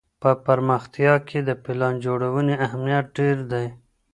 په پرمختيا کي د پلان جوړوني اهميت ډېر دی.